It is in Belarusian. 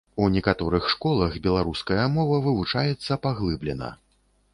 У некаторых школах беларуская мова вывучаецца паглыблена.